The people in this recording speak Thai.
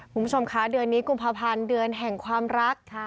คุณผู้ชมคะเดือนนี้กุมภาพันธ์เดือนแห่งความรัก